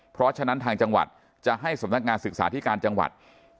เพราะฉะนั้นทางจังหวัดจะให้สำนักงานศึกษาธิการจังหวัด